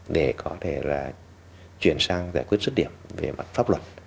để có thể là chuyển sang giải quyết xuất điểm về mặt pháp luật